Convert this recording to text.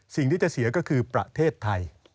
สิ่งที่จะเสียก็คือประเทศไทย